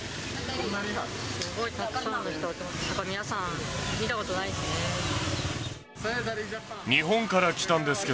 皆さん、見たことないですね。